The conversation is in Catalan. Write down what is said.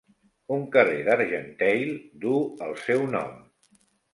Un carrer d'Argenteuil duu el seu nom.